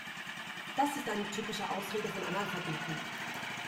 Das ist eine typische Ausrede von Analphabeten.